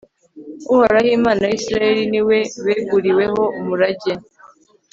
uhoraho, imana ya israheli, ni we beguriweho umurage